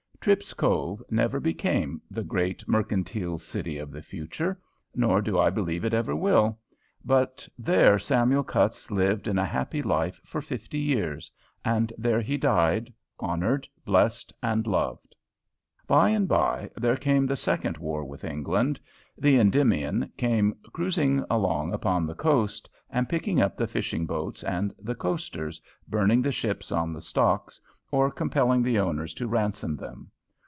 Tripp's Cove never became "the Great Mercantile City of the Future," nor do I believe it ever will. But there Samuel Cutts lived in a happy life for fifty years, and there he died, honored, blessed, and loved. By and by there came the second war with England, the "Endymion" came cruising along upon the coast, and picking up the fishing boats and the coasters, burning the ships on the stocks, or compelling the owners to ransom them.